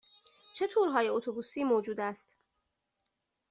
چه تورهای اتوبوسی موجود است؟